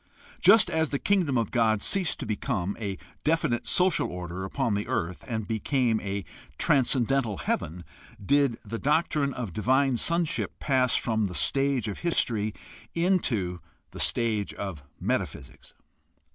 Just as the Kingdom of God ceased to become a definite social order upon the earth and became a transcendental heaven did the doctrine of divine sonship pass from the stage of history into the stage of metaphysics.